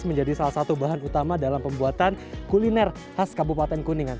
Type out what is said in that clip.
menjadi salah satu bahan utama dalam pembuatan kuliner khas kabupaten kuningan